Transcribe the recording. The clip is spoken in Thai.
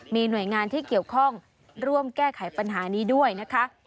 มีหน่วยงานที่เกี่ยวข้องร่วมแก้ไขปัญหานี้ด้วยนะคะ